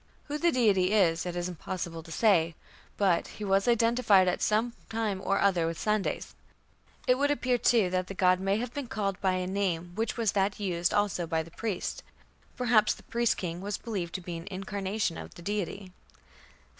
Who the deity is it is impossible to say, but "he was identified at some time or other with Sandes". It would appear, too, that the god may have been "called by a name which was that used also by the priest". Perhaps the priest king was believed to be an incarnation of the deity.